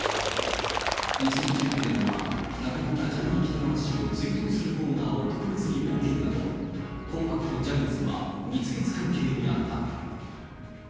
２０１９年には、亡くなったジャニー喜多川氏を追悼するコーナーを特別に設けるなど、紅白とジャニーズは蜜月関係にあった。